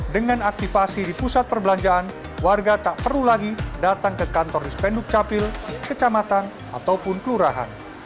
dengan aktifasi di pusat perbelanjaan warga tak perlu lagi datang ke kantor dispenduk capil kecamatan ataupun kelurahan